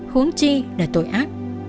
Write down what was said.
hướng chi là tội ác